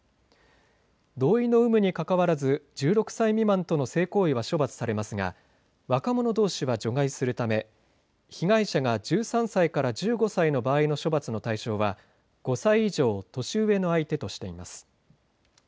同意の有無にかかわらず１６歳未満との性行為は処罰されますが若者どうしは除外するため被害者が１３歳から１５歳の場合の処罰の対象は５歳以上年上の相手としています。